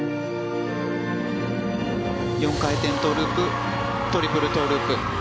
４回転トウループトリプルトウループ。